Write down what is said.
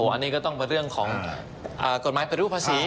อันนี้ก็ต้องเป็นเรื่องของกฎหมายปฏิรูปภาษี